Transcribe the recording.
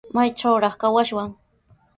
¿Maytrawraq kawashwan?